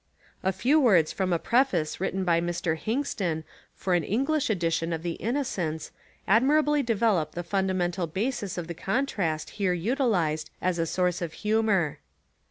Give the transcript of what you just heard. A few words from a preface 117 Essays and Liter^ary Studies written by Mr. Hingston for an English edition of the "Innocents" admirably develop the fundamental basis of the contrast here util ised as a source of humour.